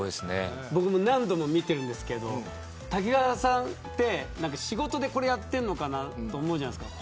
僕も何度も見てるんですけど瀧川さんって仕事でこれをやってるのかなと思うじゃないですか。